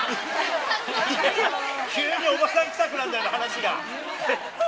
急におばさんくさくなるな、話が。